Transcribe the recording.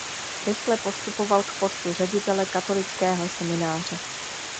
Rychle postupoval k postu ředitele katolického semináře.